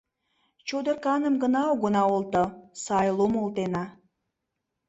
Чодырканым гына огына олто, сай лум олтена.